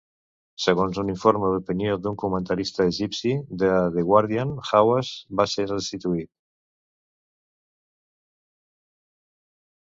Segons un informe d"opinió d"un comentarista egipci de "The Guardian", Hawass va ser destituït.